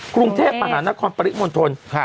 กรุงเทพมหานครปริมณฑล